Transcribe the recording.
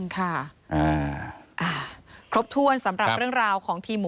ค่ะครบถ้วนสำหรับเรื่องราวของทีมหมู